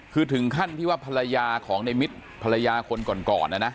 คือถึงขั้นที่ว่าภรรยาของในมิตรภรรยาคนก่อนนะนะ